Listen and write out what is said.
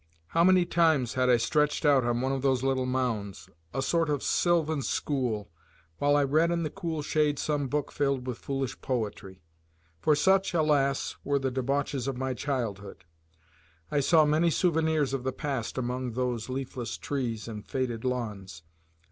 How many times had I stretched out on one of those little mounds, a sort sylvan school, while I read in the cool shade some book filled with foolish poetry! For such, alas! were the debauches of my childhood. I saw many souvenirs of the past among those leafless trees and faded lawns.